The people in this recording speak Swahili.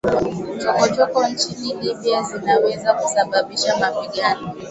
Chokochoko nchini Libya zinaweza kusababisha mapigano